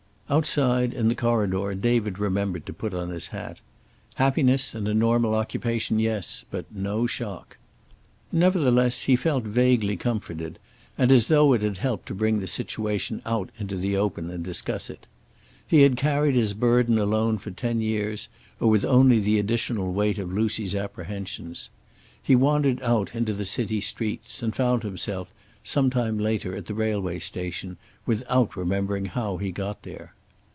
Outside, in the corridor, David remembered to put on his hat. Happiness and a normal occupation, yes. But no shock. Nevertheless, he felt vaguely comforted, and as though it had helped to bring the situation out into the open and discuss it. He had carried his burden alone for ten years, or with only the additional weight of Lucy's apprehensions. He wandered out into the city streets, and found himself, some time later, at the railway station, without remembering how he got there.